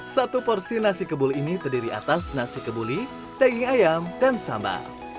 satu porsi nasi kebul ini terdiri atas nasi kebuli daging ayam dan sambal